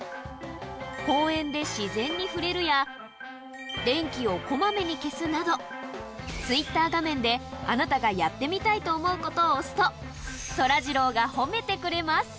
公園で自然に触れるや、電気をこまめに消すなど、ツイッター画面であなたがやってみたいと思うことを押すと、そらジローが褒めてくれます。